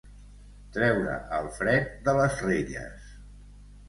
Treure el fred de les relles.